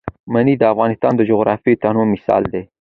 منی د افغانستان د جغرافیوي تنوع مثال دی.